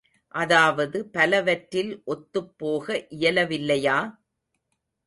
அதாவது பலவற்றில் ஒத்துப் போக இயலவில்லையா?